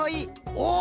お！